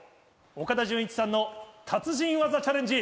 岡田准一さんの達人技チャレンジ。